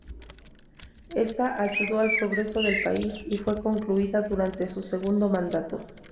Esta ayudó al progreso del país y fue concluida durante su segundo mandato.